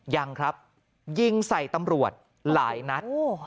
ยิงใส่ตำรวจหลายนัด